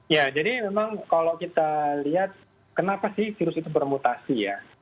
ya jadi memang kalau kita lihat kenapa sih virus itu bermutasi ya